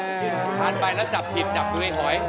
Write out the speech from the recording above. ความคาดไปแล้วจับผิดจับบื้อยหอย